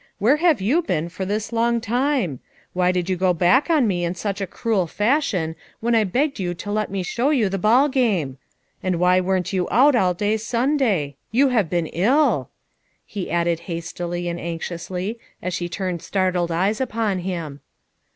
Where have you been for this long time? Why did you go hack on me in such cruel fashion when I begged you to let me show you the ball game? and why weren't you out all day Sunday? You have been ill!" he added hastily and anxiously as she turned startled eyes upon him.